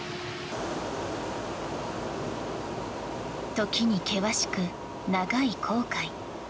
時に険しく、長い航海。